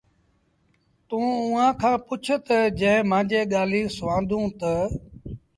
توٚنٚ اُئآݩٚ کآݩ پُڇ تا جنٚهنٚ مآݩجيٚ ڳآليٚنٚ سُوآندونٚ تا